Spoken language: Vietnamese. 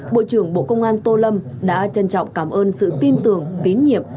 bộ trưởng bộ công an tô lâm đã trân trọng cảm ơn sự tin tưởng tín nhiệm